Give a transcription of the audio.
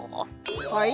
はい？